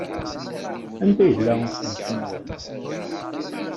Anda yella usensu-nwen?